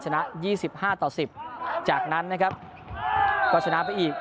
ชนะยี่สิบห้าต่อสิบจากนั้นนะครับก็ชนะไปอีก